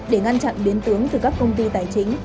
để ngăn chặn biến tướng từ các công ty tài chính